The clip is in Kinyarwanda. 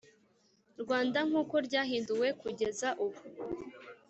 Rwanda nk uko ryahinduwe kugeza ubu